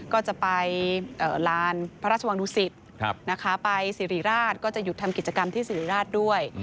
ก็จะไปลานพระราชวังดุสิตนะคะไปสิริราชก็จะหยุดทำกิจกรรมที่สิริราชด้วย